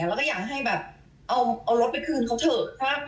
เอารถไปคืนเขาเถอะ